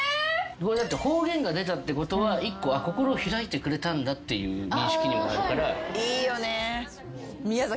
方言が出たってことは１個心を開いてくれたんだっていう認識にもなるから。